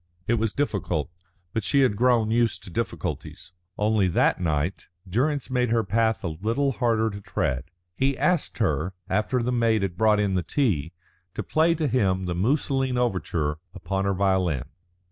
It was difficult, but she had grown used to difficulties. Only that night Durrance made her path a little harder to tread. He asked her, after the maid had brought in the tea, to play to him the Musoline Overture upon her violin.